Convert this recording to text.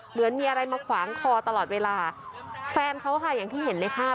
เหมือนมีอะไรมาขวางคอตลอดเวลาแฟนเขาค่ะอย่างที่เห็นในภาพ